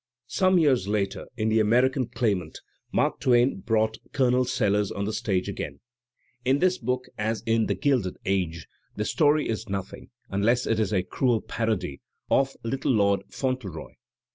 Some years later in "The American Claimant" Mark Twain brought Colonel Sellers on the stage again. In this book, as in "The Gilded Age," the story is nothing (unless it is a "cruel parody" of "Little Lord Fauntleroy").